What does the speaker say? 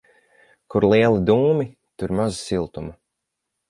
Kur lieli dūmi, tur maz siltuma.